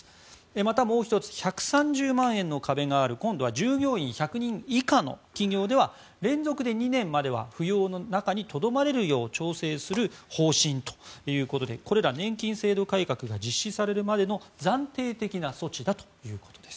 また、もう１つ１３０万円の壁がある今度は従業員１００人以下の企業では連続で２年までは扶養の中にとどまれるよう調整する方針ということでこれら年金制度改革が実施されるまでの暫定的な措置だということです。